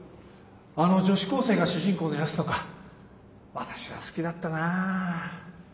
あの女子高生が主人公のやつとか私は好きだったな。